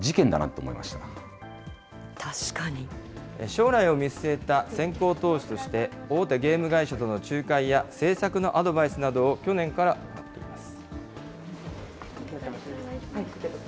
将来を見据えた先行投資として、大手ゲーム会社との仲介や制作のアドバイスなどを去年から行っています。